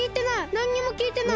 なんにもきいてない！